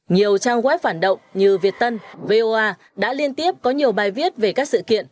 nhiều trang web phản động như việt tân voa đã liên tiếp có nhiều bài viết về các sự kiện